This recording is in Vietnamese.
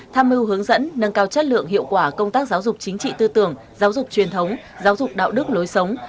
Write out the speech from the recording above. tham mưu hướng dẫn nâng cao chất lượng hiệu quả công tác giáo dục chính trị tư tưởng giáo dục truyền thống giáo dục đạo đức lối sống